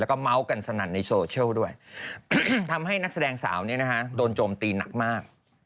แล้วก็เมาส์กันสนั่นในโซเชียลด้วยทำให้นักแสดงสาวเนี่ยนะฮะโดนโจมตีหนักมาก